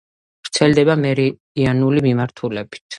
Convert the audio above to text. ვრცელდება მერიდიანული მიმართულებით.